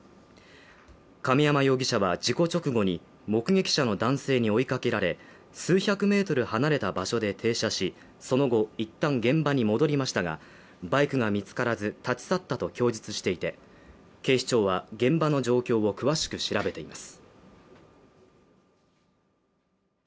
亀山容疑者は事故直後に目撃者の男性に追いかけられ、数百メートル離れた場所で停車し、その後、いったん現場に戻りましたがバイクが見つからず立ち去ったと供述していて警視庁は現場の状況を詳しく調べています。